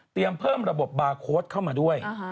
เพิ่มระบบบาร์โค้ดเข้ามาด้วย